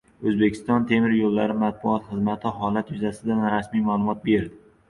“O‘zbekiston temir yo‘llari” matbuot xizmati holat yuzasidan rasmiy ma’lumot berdi